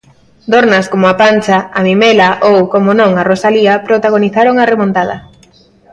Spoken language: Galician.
Dornas como a Pancha, a Mimela ou, como non, a Rosalía protagonizaron a remontada.